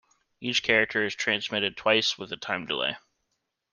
Each character is transmitted twice with a time delay.